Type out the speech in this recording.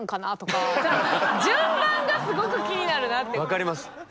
分かります！